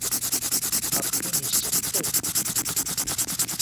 আপনি নিশ্চিত তো?